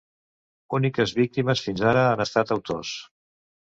Úniques víctimes fins ara han estat autors.